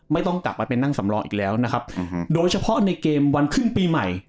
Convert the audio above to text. ไม่ต้องกลับไปไปนั่งสำรองอีกแล้วนะครับโดยเฉพาะในเกมวันครึ่งปีใหม่